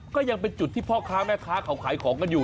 ก็ยังเป็นจุดที่พ่อค้าแม่ค้าเขาขายของกันอยู่